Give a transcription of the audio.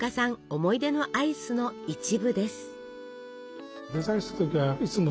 思い出のアイスの一部です。